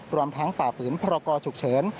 รวมทั้งฝ่าฝืนพรกรฉุกเฉิน